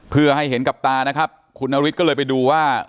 เพื่อให้เห็นกับตานะครับคุณนฤทธิก็เลยไปดูว่า